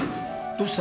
どうした？